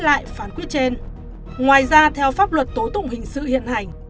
lại phán quyết trên ngoài ra theo pháp luật tố tụng hình sự hiện hành